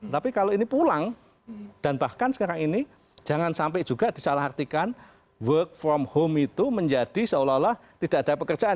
tapi kalau ini pulang dan bahkan sekarang ini jangan sampai juga disalah artikan work from home itu menjadi seolah olah tidak ada pekerjaan